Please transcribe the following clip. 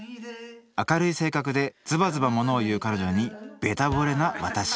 明るい性格でズバズバ物を言う彼女にべたぼれな私